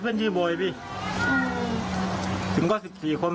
เพื่อนในหัดใหญ่ที่คบกันมาเนี่ยยันว่าผมจะไปเรียกชาย๑๔คนได้ยังไง